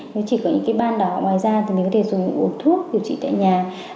nếu chỉ có những ban đỏ ngoài da thì mình có thể dùng ổ thuốc điều trị tại nhà